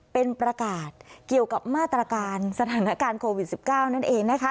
เป็นประกาศเกี่ยวกับมาตรการสถานการณ์โควิด๑๙นั่นเองนะคะ